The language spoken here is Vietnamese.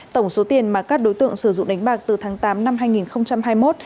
tổng số tiền mà các đối tượng sử dụng đánh bạc từ tháng tám năm hai nghìn hai mươi một